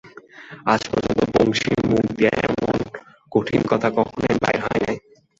আজ পর্যন্ত বংশীর মুখ দিয়া এমন কঠিন কথা কখনো বাহির হয় নাই।